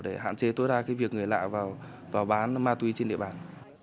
để hạn chế tối đa cái việc người lạ vào bán ma túy trên địa bàn